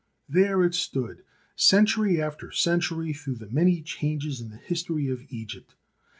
There it stood century after century through the many changes in the history of Egypt.